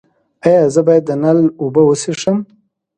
ایا زه باید د نل اوبه وڅښم؟